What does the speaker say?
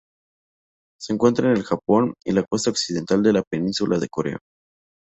Se encuentra en el Japón y la costa occidental de la Península de Corea.